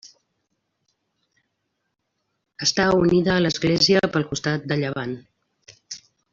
Està unida a l'església pel costat de llevant.